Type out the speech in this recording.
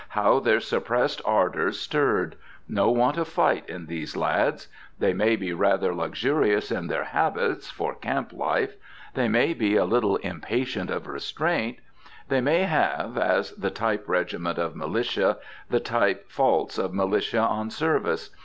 How their suppressed ardors stirred! No want of fight in these lads! They may be rather luxurious in their habits, for camp life. They may be a little impatient of restraint. They may have as the type regiment of militia the type faults of militia on service.